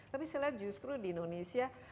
tapi saya lihat justru di indonesia